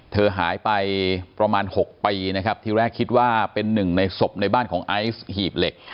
เธอหายไปประมาณ๖ปีนะครับทีแรกคิดว่าเป็นหนึ่งในศพในบ้านของไอซ์หีบเหล็ก